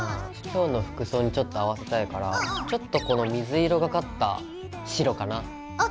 今日の服装にちょっと合わせたいからちょっとこの水色がかった白かな。